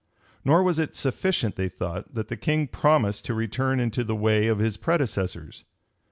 Nor was it sufficient, they thought, that the king promised to return into the way of his predecessors.